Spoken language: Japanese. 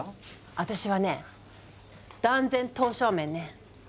私はね断然刀削麺ね。